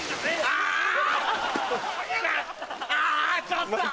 ちょっと。